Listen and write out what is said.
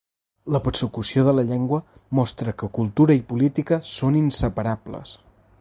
La persecució de la llengua mostra que cultura i política són inseparables.